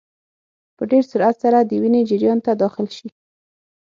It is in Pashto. په ډېر سرعت سره د وینې جریان ته داخل شي.